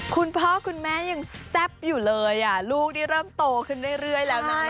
คุณพ่อคุณแม่ยังแซ่บอยู่เลยลูกนี่เริ่มโตขึ้นเรื่อยแล้วนะ